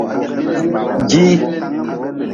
Jihii.